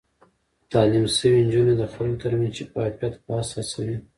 تعليم شوې نجونې د خلکو ترمنځ شفاف بحث هڅوي.